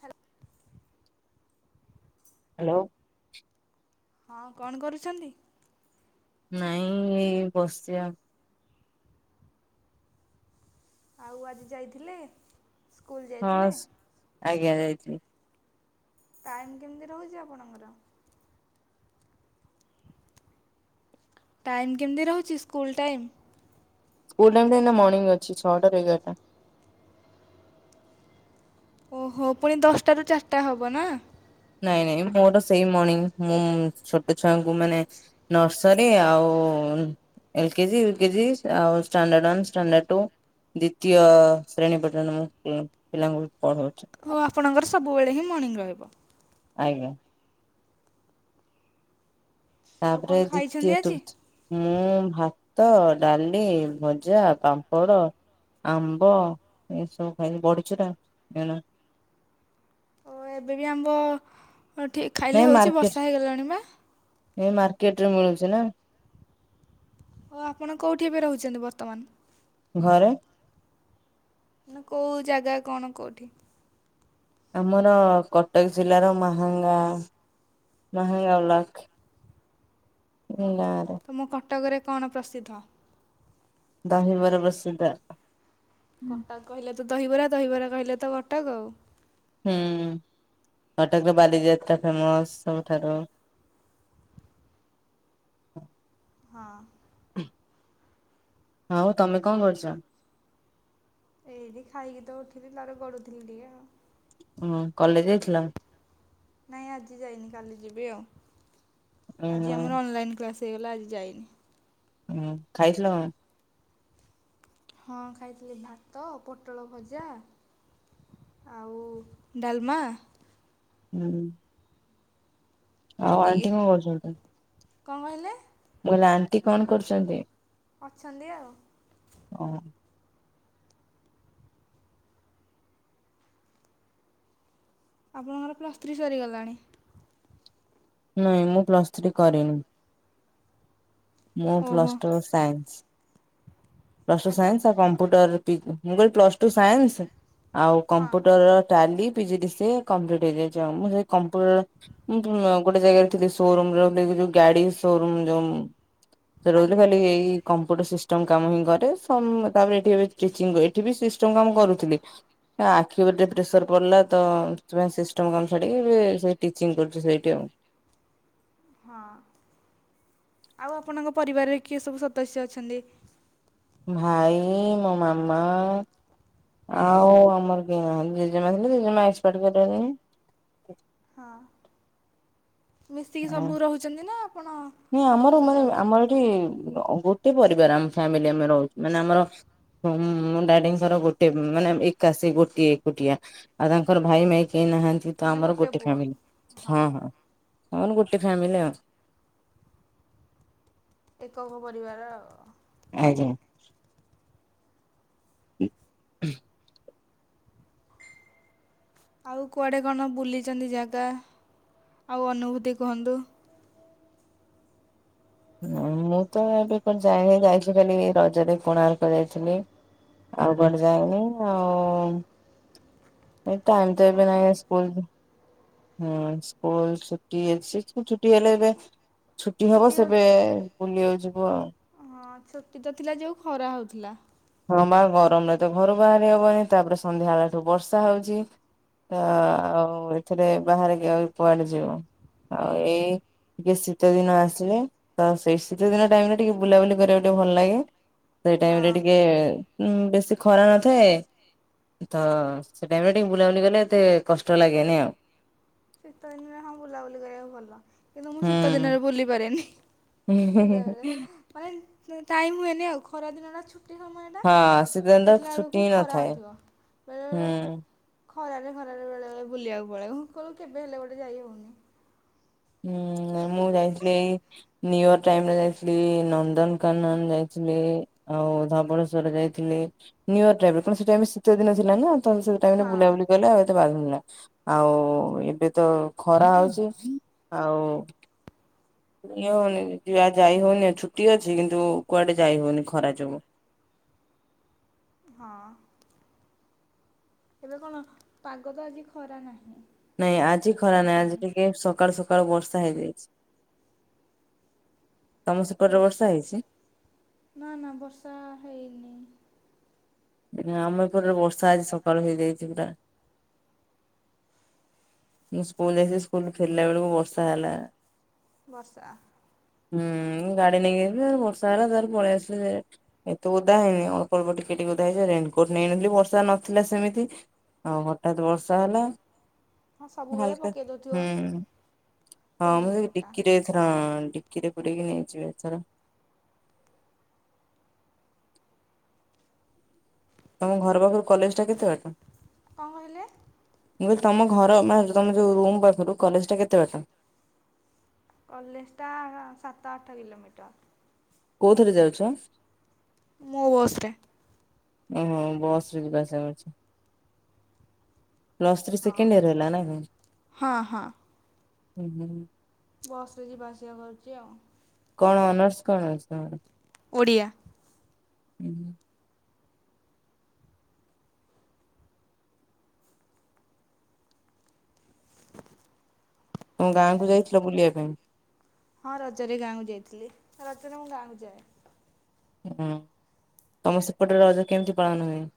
Hello hello. ହଁ କଣ କରୁଛନ୍ତି? ନାଇଁ ଏଇ ବସିିଛି ଆଉ। ଆଉ ଆଜି ଯାଇଥିଲେ? ସ୍କୁଲ ଯାଇଥିଲେ ହଁସ୍ ଆଜ୍ଞା ଯାଇଥିଲି। ଟାଇମ୍ କେମତି ରହୁଛି ଆପଣଙ୍କର? ଟାଇମ୍ କେମିତି ରହୁଛି ସ୍କୁଲ୍ ଟାଇମ୍? ସ୍କୁଲ ଟାଇମଟା ଏନା ମର୍ଣ୍ଣିଂ ଅଛି, ଛଅଟାରୁ ଏଗାରଟା। ଅହୋ ପୁଣି ଦଶଟାରୁ ଚାରିଟା ହବ ନା? ନାଇଁ ନାଇଁ ମୋର ସେଇ ମର୍ଣ୍ଣିଂ ମୁଁ ଛୋଟ ଛୁଆଙ୍କୁ ମାନେ ନର୍ସରୀ ଆଉ ଏଲ କେଜି, ୟୁ କେଜି ଆଉ ଷ୍ଟାଣ୍ଡାର୍ଡ ୱାନ, ଷ୍ଟାଣ୍ଡାର୍ଡ ଟୁ। ଦିତୀୟ ଶ୍ରେଣୀ ପର୍ଯ୍ୟନ୍ତ ମୁଁ ପିଲାଙ୍କୁ ପଢଉଛି। କୁହ ଆପଣଙ୍କର ସବୁବେଳେ ହିଁ ମର୍ଣ୍ଣିଂ ରହିବ। ଆଜ୍ଞା। ଆଉ କଣ ତାପରେ ଖାଇଛନ୍ତି ଦିତୀୟ ଆଜି? ତୃତୀୟ ମୁଁ ଭାତ, ଡାଲି, ଭଜା, ପାମ୍ପଡ଼ ଆମ୍ବ ଏସବୁ ଖାଇଲି ବଡ଼ିଚୁରା ଏଣୁ ଅ ଏବେ ବି ଆମ୍ବ ଠିକ ଖାଇଲେ ହେଉଛି ବର୍ଷା ହେଇଗଲାଣି ବା। ଏବେ ମାର୍କେଟରେ ମିଳୁଛି ନା। ଓ ଆପଣ କେଉଠି ଏବେ ରହୁଛନ୍ତି ବର୍ତ୍ତମାନ? ଘରେ। ନା କୋଉ ଯାଗା କଣ କୋଉଠି? ଆମର କଟକ ଜିଲ୍ଲାର ମାହାଙ୍ଗା ମାହାଙ୍ଗାବ୍ଲକ୍। ଅହ ତମ କଟକରେ କଣ ପ୍ରସିଦ୍ଧ? ଦହିବରା ପ୍ରସିଦ୍ଧ। କଟକ କହିଲେ ତ ଦହିବରା, ଦହିବରା କହିଲେ ତ କଟକ ଆଉ। ହୁଁ କଟକର ବାଲିଯାତ୍ରା ଫେମସ ସବୁଠାରୁ। ହଁ। ଆଉ ତମେ କଣ କରୁଛ? ଏଇଠି ଖାଇକି ତ ଉଠିଲି ତାପରେ ଗଡୁଥିଲି ଟିକେ ଆଉ ଉଁ କଲେଜ ଯାଇଥିଲା? ନାଇଁ ଆଜି ଯାଇନି କାଲି ଯିବି ଆଉ ଉଁ ଆଜି ଆମର ଅନଲାଇନ୍ କ୍ଲାସ୍ ହେଇଗଲା ଆଜି ଯାଇନି। ହୁଁ ଖାଇଥିଲ କଣ? ହଁ ଖାଇଥିଲି ଭାତ, ପୋଟଳ ଭଜା ଆଉ ଡାଲମା। ହୁଁ। ଆଉ ସେତିକି। ଆଣ୍ଟି କଣ କରୁଛନ୍ତି? କଣ କହିଲେ? ମୁଁ କହିଲି ଆଣ୍ଟି କଣ କରୁଛନ୍ତି? ଅଛନ୍ତି ଆଉ। ଅ। ଆପଣଙ୍କର ପ୍ଲସ୍ ଥ୍ରୀ ସରିଗଲାଣି? ନାଇଁ ମୁଁ ପ୍ଲସ ଥ୍ରୀ କରିନି। ମୁଁ ଓହୋ। Plus two science. Plus two ଆଜ୍ଞା ସାଇନ୍ସ ଆଉ କମ୍ପ୍ୟୁଟର ପି ମୁଁ କହିଲି ପ୍ଲସ ଟୁ ସାଇନ୍ସ ଆଉ ହଁ computer tally P G D C A complete ହେଇଯାଇଛି ଆଉ ମୁଁ ସେଇ କମ୍ପୁଟର ଗୋଟେ ଯାଗାରେ ଥିଲି ସୋରୁମର ଗାଡି ସୋରୁମ୍ ଯୋମ୍ ସେଠି ରହୁଥିଲି ଆଜ୍ଞା ଖାଲି ଏଇ କମ୍ପୁଟର ସିଷ୍ଟମ କାମ ହିଁ ଘରେ ସମ୍ ତାପରେ ଏଠି ଏବେ ଟିଚିଙ୍ଗ ଏଠି ବି ସିଷ୍ଟମ କାମ କରୁଥିଲି। ନା ଆଖି ଉପେ ପ୍ରେସର ପଡ଼ିଲା ତ ସେଥିପାଇଁ ସିଷ୍ଟମ କାମ ଛାଡ଼ିକି ସେଇ ଟିଚିଙ୍ଗ କରୁଛି ସେଇଠି ଆଉ ହଁ ଆଉ ଆପଣଙ୍କ ପରିବାରରେ କିଏ ସବୁ ସଦସ୍ୟ ଅଛନ୍ତି? ଭାଇ ମୋ ମାମା ଆଉ ଆମର ଜେଜେମା ଥିଲେ ଜେଜେମା ଏକ୍ସପାର୍ କରିଗଲେଣି। ହଁ ମିଶିକି ସବୁ ରହୁଚନ୍ତି ନା ଆପଣ ନା ଆମର ରହୁଛନ୍ତି ମାନେ ଅଲଗା? ଆମର ଏଠି ଗୋଟେ ପରିବାର ଆମ ଫ୍ୟାମିଲି ଆମେ ରହୁଛ ମାନେ ଆମର ହଁ ହୁଁ ମୋ ଡାଡିଙ୍କର ଗୋଟେ ମାନେ ଏକାଶୀ ଗୋଟିଏ ଏକୁଟିଆ। ଆଉ ତାଙ୍କର ଭାଇ ନାହିଁ କେହି ନାହାନ୍ତି ତ ମାନେ ଆମର ଗୋଟେ ପୁଅ ଫ୍ୟାମିଲି ହଁ ହଁ। ଆମର ଗୋଟେ ଫ୍ୟାମିଲି ଆଉ। ଏକକ ପରିବାର ଆଓ। ଆଜ୍ଞା। [unintelligible] ଆଉ କୁଆଡ଼େ କଣ ବୁଲିଛନ୍ତି ଜାଗା ଆଉ ଅନୁଭୂତି କୁହନ୍ତୁ। ମୁଁ ତ ଏବେ କୋ ଯାଇନି ଯାଇଛି ଖାଲି ରଜରେ କୋଣାର୍କ ଯାଇଥିଲି। ଆଉ ଜଏଣ୍ଟେ ଫ୍ୟାମିଲି ଆଉ। ଟାଇମ୍ ତ ଏବେ କଣ ନାହିଁ ସ୍କୁଲକୁ ହୁଁ ସ୍କୁଲ ଛୁଟି ଅଛି ଛୁଟି ହେଲେ ଏବେ ଛୁଟି ହବ ସେବେ ବୁଲିବାକୁ ଯିବ ଆଉ। ହଁ ଛୁଟି ତ ଥିଲା ଯୋଉ ଖରା ହୋଉଥିଲା। ହଁ ବା ଗରମ ରେ ତ ଘରୁ ବାହାରି ହବନି ତାପରେ ସନ୍ଧ୍ୟା ବଳଠୁ ବର୍ଷା ହୋଉଚି। ତ ହଁ ଆଉ ଏଥିରେ ବାହାରିକି ଆଉ କୁଆଡେ ଯବ ଆଉ ଏ ଯୋଉ ଶୀତ ଦିନ ଆସିଲା ତ ସେଇ ଶୀତ ଦିନ ଟାଇମ୍ ରେ ଟିକେ ବୁଲାବୁଲି କରିବାକୁ ଟିକେ ଭଲ ଲାଗେ। ସେଇ ଟାଇମ୍ ହଁ ରେ ଟିକେ ବେଶୀ ଖରା ନଥାଏ। ତ ସେ ଟାଇମ୍ ରେ ଟିକେ ବୁଲାବୁଲି କଲେ ଏତେ କଷ୍ଟ ଲାଗେନି ଆଉ। ଶୀତ ଦିନରେ ହଁ ବୁଲାବୁଲି କରିବାକୁ ଭଲ କିନ୍ତୁ ମୁଁ ଶୀତ ହୁଁ। ଦିନରେ ବୁଲି ପାରେନି। ସେତେବେଳେ ମାନେ ଟାଇମ୍ ହୁଏନି ଆଉ ଖରା ଦିନ ଛୁ ଟି ଦିନ ଏଇଟା ହଁ ଶୀତ ଦିନ ତ ଦେଖିଲା ଛୁଟି ବେଳକୁ ହିଁ ଖରା ନଥାଏ ହୋଉଥିବ ବେଳେବେଳେ ହୁଁ। ଖରାରେ ଖରାରେ ବେଳେଳେ ବୁଲିବାକୁ ପଳେଇଲୁ ମୁଁ କହିଲୁ କେବେ ହେଲେ ଗୋଟେ ଯାଇ ହୋଉନି। ହୁଁ ନାଇଁ ମୁଁ ଯାଇଥିଲି ଏଇ ନିୟର୍ ଟାଇମ୍ ଯାଇଥିଲି ନନ୍ଦନକାନନ ଯାଇଥିଲି ଆଉ ଧବଳେଶ୍ୱର ଯାଇଥିଲେ ନିୟର୍ ଟା ବି କଣ ସେଠି ଆମେ ଶୀତ ଦିନ ଥିଲା ନା। ତ ମୁଁ ସେଇ ଟାଇମ୍ ହଁ ବୁଲା ବୁଲି ଗଲେ ଆ ଏତ ବାଧିନଥିଲା ଆଉ ଏବେ ତ ଖରା ହୋଉଚି। ଆଉ ଇଏ ହୋଉନି ଯାଇ ହୋଉନି ଆଉ ଛୁଟି ଅଛି କିନ୍ତୁ କୁଆଡେ ଯାଇ ହୋଉନି ଖରା ଯୋଗୁ। ହଁ। ଏବେ କଣ ପାଗ ତ ଆଜି ଖରା ନାହିଁ। ନାଇଁ ଆଜି ଖରା ନାହିଁ ଆଜି ବର୍ତ୍ତମାନ ଟିକେ ସକାଳୁ ସକାଳୁ ବର୍ଷା ହେଇଯାଇଚି। ବର୍ଷା ନା ନା ବର୍ଷା ହେଇନି। ଆମ ଏ ଉପରେ ବର୍ଷା ଆଜି ସକାଳୁ ହେଇଯାଇଛି ପୁରା। ମୁଁ ସ୍କୁଲ ଯାଇଥିଲି ସ୍କୁଲ ଫେରିଲା ବେଳକୁ ବର୍ଷା ହେଲା। ବର୍ଷା। ହୁଁ ଗାଡି ନେଇକି ଯିବି ବର୍ଷା ହେଲା ତାପରେ ପଳେଇ ଆସିଲି ସେ ଏତ ତୁ ଉଧା ହେଇନି ଅଳ୍ପ ଅଳ୍ପ ଟିକେ ଟିକେ ଓଧା ହେଇସାଇଲେଣି ରେନିକୋଟ ନେଇଥିଲି ବର୍ଷା ନଥିଲା ସେମିତି ଆଉ ହଠାତ୍‌ ବର୍ଷା ହେଲା। ହଁ ସବୁବେଳେ ହାଲକା ପକାଇ ଦେଉଥିବ ହୁଁ ହଁ ମୁଁ ରେନିକୋଟ୍ଟା ଡିକିରେ ଥର ଡିକିରେ ପୁରେଇକି ନେଇଯିବି ଏଥର। ତମ ଘର ପାଖରୁ କଲେଜ୍‌ ଟା କେତେ ବାଟ? କଣ କହିଲେ ମୁଁ କହିଲି, ତମ ଘର ମ ତମେ ଯୋଉ ରୁମ୍ ପାଖରୁ, କଲେଜ୍‌ ଟା କେତେ ବାଟ? କଲେଜ୍‌ ଟା ସାତ ଆଠ କିଲୋମିଟର। କୋଉଥରେ ଯାଉଚ? ମୋ ବସ ରେ। ଓହୋ। ବସ ରେ ଯିବା ଆସିବା କରୁଛ। ପ୍ଲସ୍ ଥ୍ରୀ ହଁ ସେକେଣ୍ଡ ଇୟର ହେଲା ନା କଣ? ହଁ ଓହୋ। ବସରେ, ଯିବା ଆସିବା କରୁଛି ଆଉ। କଣ, ଅନର୍ସ କଣ ଅଛି ତମର? ଓଡ଼ିଆ। ହୁଁ। [inaudible] ତମ ଗାଁ କୁ ଯାଇଛି ତ ବୁଲିବା ପାଇଁ। ହଁ ରଜରେ ଗାଁକୁ ଯାଇଥିଲି। ରଜରେ ମୁଁ ଗାଁକୁ ଯାଏ। ହଁ। ତମ ସେପଟରେ, ରଜ କେମିତି ପାଳନ ହୁଏ?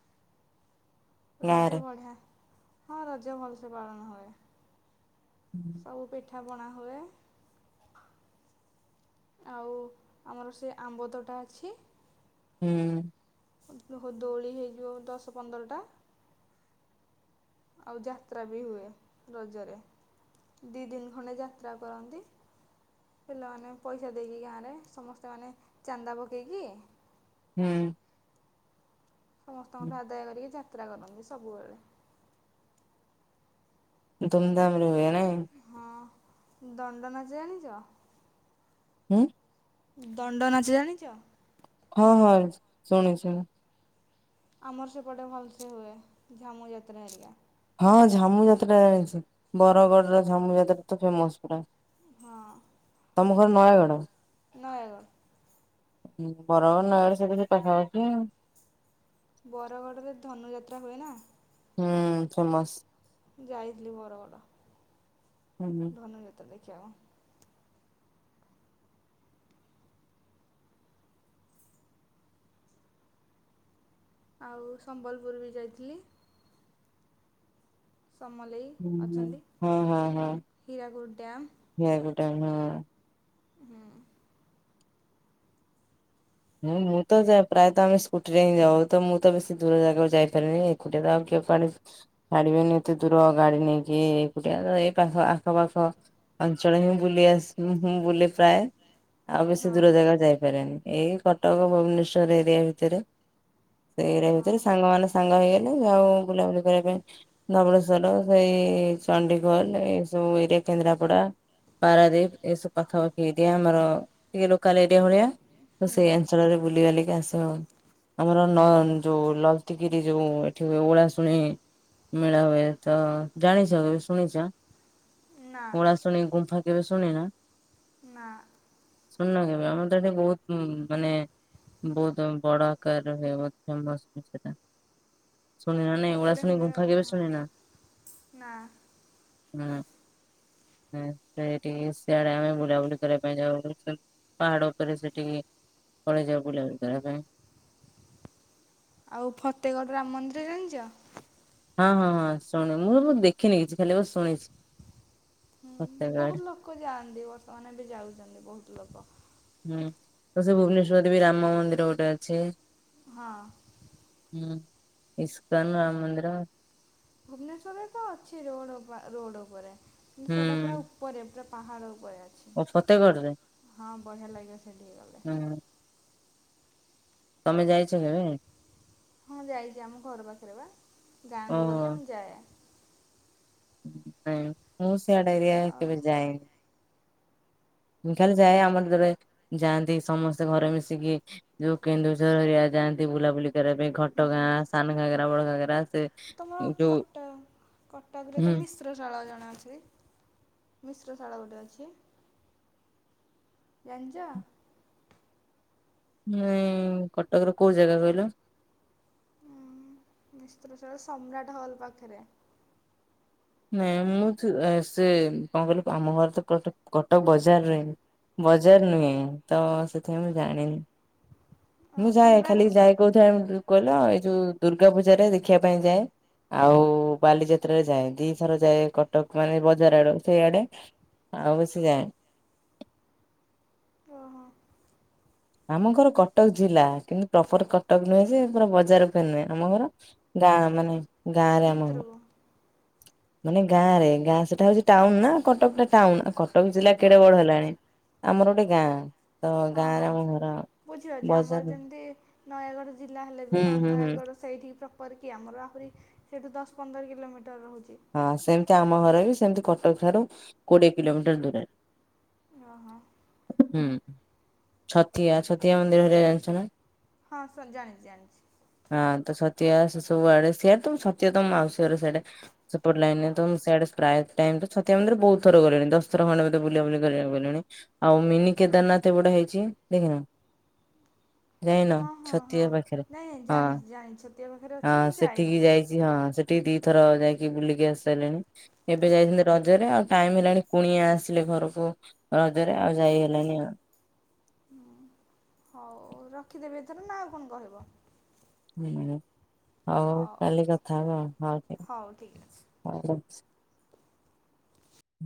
ଗାଁରେ? ରଜ ବଢ଼ିଆ। ହଁ, ରଜ ଭଲସେ ପାଳନ ହୁଏ। [inaudible] ସବୁ ପିଠାପଣା ହୁଏ। ଆଉ, ଆମର ସେ ଆମ୍ବତୋଟା ଅଛି ହୁଁ। ଦୋଳି ହେଇଯିବ, ଦଶ ପନ୍ଦରଟା। ଆଉ ଯାତ୍ରା ବି ହୁଏ, ରଜରେ। ଦି ଦିନ ଖଣ୍ଡେ ଯାତ୍ରା କରନ୍ତି। ପିଲାମାନେ ପଇସା ଦେଇକି ଗାଁରେ। ସମସ୍ତେ ମାନେ ଚାନ୍ଦା ପକେଇକି ହୁଁ। ସମସ୍ତଙ୍କଠୁ ଆଦାୟ କରିକି, ଯାତ୍ରା କରନ୍ତି। ସବୁବେଳେ। ଧୁମଧାମରେ ହୁଏ ନାଇ? ହଁ। ଦଣ୍ଡନାଚ ଜାଣିଛ? ହୁଁ? ଦଣ୍ଡ ନାଚ ଜାଣିଛ? ହଁ, ହଁ ଶୁଣିଛି ଶୁଣିଚି। ଆମର ସେପଟେ ଭଲସେ ହୁଏ। ଝାମୁ ଯାତ୍ରା ଏରିକା। ହଁ। ଝାମୁ ଯାତ୍ରା ଜାଣିଛି। ବରଗଡ ର ଝାମୁ ଯାତ୍ରା ତ ଫେମସ ପୁରା। ହଁ। ତମ ଘର ନୟାଗଡ? ନୟାଗଡ୍। ହଁ। ବରର ନରେ ସେ ସେ ପାଖାପାଖି ଆଉ। ବରଗଡ଼ରେ ଧନୁଯାତ୍ରା ହୁଏ ନା? ହୁଁ। ଫେମସ। ଯାଇଥିଲି ବରଗଡ। ହୁଁ ହୁଁ ଧନୁ ଯାତ୍ରା ଦେଖିବା କୁ। ଆଉ ସମ୍ବଲପୁର ବି ଯାଇଥିଲି। ସମଲେଇ ହ ଅଛନ୍ତି ହଁ ହଁ ହଁ। ହୀରାକୁଦ ଡ୍ୟାମ୍ [unintelligible] ହୁଁ। ହୁଁ। ମୁଁ ତ, ପ୍ରାୟତଃ ଆମେ ସ୍କୁଟିରେ ହିଁ ଯାଉ। ତ ମୁଁ ତ ବେଶୀ ଦୂର ଜାଗାକୁ ଯାଇପାରିନି। ଏକୁଟଆ କଡେ ଛାଡିବେନି, ଏତେ ଦୂର ଗାଡି ନେଇକି ଏକୁଟିଆ ଏଇ ପାଖ ଆଖପାଖ ଅଞ୍ଚଳ ହିଁ ବୁଲି ଆସ, ବୁଲି ପ୍ରାୟ। ଆଉ ବେଶୀ ହଁ ଦୂର ଜାଗା ଯାଇପ ଏଇ କଟକ ଭୁବନେଶ୍ୱର, ଏରିଆ ଭିତରେ। ସେ ଏରିଆ ହଁ ଭିତରେ ସାଙ୍ଗମାନେ ସାଙ୍ଗ ହେଇଗଲେ ଆଉ ବୁଲାବୁଲି କରିବା ପାଇଁ ଧବଳେଶ୍ୱର ସେଇ ଚଣ୍ଡିଖୋଲ୍ ଏଇ ସବୁ ଏରିଆ କେନ୍ଦ୍ରାପଡ଼ା ପାରାଦ୍ୱୀପ ଏସବୁ ପାଖାପାଖି ଆମର ଟିକେ ଲୋକାଲ୍ ଏରିଆ ଭଳିଆ। ତ ହୁଁ ସେଇ ଅଞ୍ଚଳରେ ବୁଲିବାଲିକି ଆସ ଆମର ନ ଯୋଉ ଲଲତିଗିରି ଯୋଉ ଏଠି ଓଳାଶୁଣି ମେଳା ହୁଏ ତ ଜାଣିଛ କେବେ ଶୁଣିଛ? ନା ପଳା ଶୁଣି ଗୁମ୍ଫା କେବେ ଶୁଣିନ? ନା। ଶୁଣିନ କେବେ ଆମର ତ ଏଠି ବୋହୁତ ଉଁ ମାନେ ବୋହୁତ ବଡ଼ ଆକାର ହୁଏ ବୋହୁତ ଫେସ୍ ବି ସେଟା। ଶୁଣିନ ନାଇଁ ଉଆ ସେପଟେ ଶୁଣି ହୁଏ ଗୁମ୍ଫା ଆଉ କେବ ହଁ ଶୁଣିନ। ନା ହୁଁ। ହୁଁ ପ୍ରାୟ ହେଠିକେ ସିଆଡ଼େ ଆମେ ବୁଲାବୁଲି କରିବା ପାଇଁ ଯାଉ [unintelligible] ପାହାଡ଼ ଉପରେ ସେ ଠିକି ପଳେଇଯାଉ ବୁଲାବୁଲି କରିବା ପାଇଁ। ଆଉ ଫଟେଗଡ଼ ରାମ ମନ୍ଦିର ଜାଣିଛ? ହଁ ହଁ ହଁ ଶୁଣିନି ମୁଁତ ଦେଖିନେଇଛି ଖାଲି [unintelligible] ଶୁଣିଛି। ହୁଁ ଫତେଗଡ ବୋହୁତ ଲୋକ ଯାଆନ୍ତି ବର୍ତ୍ତମାନ ବି ଯାଉଛନ୍ତି ବୋହୁତ ଲୋକ। ହୁଁ ତ ସେ ଭୁବନେଶ୍ଵରରେ ବି ରାମ ମନ୍ଦିର ଗୋଟେ ଅଛି। ହଁ। ହୁଁ ଇସ୍କାନ ରାମ୍ ମନ୍ଦିର। ଭୁବନେଶ୍ୱରରେ ତ ଅଛି ରୋଡ଼ ବା ରୋଡ଼ ଉପରେ କିନ୍ତୁ ହୁଁ ସେଇଟା ପୁରା ଉପରେ ରେ ପାହାଡ଼ ଉପରେ ଅଛି ଓ ଫତେଗଡରେ ହଁ ବଢ଼ିଆ ଲାଗିବ ସେଇଠିକି ଗଲେ। ହୁଁ। ତମେ ଯାଇଛ କେବେ? ହଁ ଯାଇଛି ଆମ ଘର ପାଖରେ ବା ଗାଁକୁ ଗଲେ ଓହୋ ମୁଁ ଯାଏ। ନାଇଁ ମୁଁ ସେଆଡ଼େ ଏରିଆ ଆଉ କେବେ ଯାଏନି। ମୁଁ ଖାଲି ଯାଏ ଆମର ଯେତେବେଳେ ଯାଆନ୍ତି ସମସ୍ତେ ଘରେ ମିଶିକି ଯୋଉ କେନ୍ଦୁଝର ଏରିଆ ଯାଆନ୍ତି ବୁଲାବୁଲି କରିବା ପାଇଁ ଘଟ ହୁଁ ଗାଁ ସାନ ଘାଗରା ବଡ଼ ଘାଗରା ସେ ତମର ଯୋଉ କଟ କଟକରେ ତ ହୁଁ ମିଶ୍ ଶ୍ରଶଳା ଜଣେ ଅଛି ମିଶ୍ରଶାଳା ଗୋଟେ ଅଛି। ଜାଣିଚ? ନାଇଁ କଟକ ର କୋଉ ଜାଗା କହିଲ? ମିଶ୍ରଶାଳା ସମ୍ରାଟ ହଲ୍ ପାଖେରେ। ନାଇଁ ମୁଁ ତ ଆ ସେ କଣ କହିଲ ଆମ ଘର ତ କଟକ କଟକ ବଜାରରେ ହିଁ। ବଜାର ନୁହେଁ ତ ସେଥିପାଇଁ ମୁଁ ଜାଣିନି। ଓ ମୁଁ ଯାଏ ସମ୍ରାଟ ଖାଲି ଯାଏ କୋଉଥାଏ ଉଁ ଉଁ କହିଲ ଏଇ ଯୋଉ ଦୁର୍ଗା ପୂଜା ଟା ଦେଖିବା ପାଇଁ ଯାଏ। ଆଉ ବାଲିଯାତ୍ରାରେ ଯାଏ ଦିଥର ଯାଏ କଟକ ମାନେ ବଜାର ଆଡ଼ ସେଇଆଡ଼େ। ଆଉ ବେଶୀ ଯାଏନି। ଓହୋ। ଆମ ଘର କଟକ ଜିଲ୍ଳା କିନ୍ତୁ ପ୍ରପର କଟକ ନୁହେଁ ଯେ ପୁରା ବଜାର [unintelligible] ନୁହେଁ ଆମ ଘର ଗାଁ ମାନେ ଗାଁରେ ଆମ [unintelligible] ଭିତରକୁ ମାନେ ଗାଁ ରେ ଗାଁ ସେଟା ହଉଛି ଟାଉନ ନା କଟକ ଟା ଟାଉନ ଆ କଟକ ଜିଲ୍ଲା ହଁ କେଡ଼େ ବଡ଼ ହେଲାଣି। ଆମର ଗୋଟେ ଗାଁ। ତ ହଁ ଗାଁରେ ହଁ ଆମ ଘର ବୁଝିପାରୁଛି ଆମର ବଜାର ଯେମିତି ନୟାଗଡ଼ ଜିଲ୍ଲା ହେଲେ ହୁଁ ବି କଣ ହୁଁ ହୁଁ ନୟାଗଡ଼ ସ୍ ସେଇଠି ପ୍ରପର କି ଆମର ଆହୁରି ସେଇଠୁ ଦଶ ପନ୍ଦର କିଲୋମିଟର ରହୁଛି। ହଁ ସେମିତି ଆମ ଘର ବି ସେମିତି କଟକ ଠାରୁ କୋଡ଼ିଏ କିଲୋମିଟର ଦୂରରେ। ଅହ। ଉଁ ଉଁ ହୁଁ ହୁଁ ଛତିଆ ଛତିଆ ମନ୍ଦିର ହରେଆ ଜାଣିଛ ନା? ହଁ ସ ଜାଣିଛି ଜାଣିଛି। ହଁ ତ ସତିଆ ସେ ସବୁ ଆଡ଼େ ସେ ତ ଛତିଆ ତମ ମାଉସି ପରେ ସେଇଟା ସେପଟ ଲାଇନ୍ ହଁ ତ ମୁଁ ସାଇଡେ ପ୍ରାୟତ୍ ଟାଇମ ମନ୍ଦିରେ ବୋହୁତ ଥର ଗଲେଣି ଦଶଥର ଖଣ୍ଡେ ବୋଧେ ବୁଲା ବୁଲି ଗଲେଣି। ଆଉ ମିନି କେଦାରନାଥ ଏପଟେ ହେଇଛି ଦେଖିନ? [inaudible] ଯାଇନ ହଁ ହଁ ହଁ ଛତିଆ ପାଖରେ। ନାଇଁଁ ନାଇଁ ହଁ ଜାଣିଚି ଜାଣିଚି ଛତିଆ ପାଖରେ ଅଛି ହଁ କିନ୍ତୁ ସେଠିକି ଯାଇନି। [unintelligible] ହଁ ସେଠି ଦିଥର ଯାଇକି ବୁଲିକି ଆସି ସାରିଲଣି। ଏବେ ଯାଇଥିଲି ରଜରେ ଆଉ ଟାଇମ ହେଲାଣି କୁଣିଆ ଆସିଲେ ଘରକୁ। ରଜ ରେ ଆଉ ଯାଇ ହେଲାନି ଆଉ। ହୁଁ ହଉ ରଖିଦେବି ଏଥର ନା ଆଉ କଣ କହିବ? ହୁ ହଉ କାଲି କଥା ହବ ହଉ ଠିକ ଠିକ୍ ଅଛି। ହଉ ରଖୁଚି।